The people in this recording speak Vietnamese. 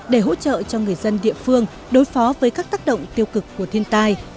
để hỗ trợ cho người dân địa phương đối phó với các tác động tiêu cực của thiên tai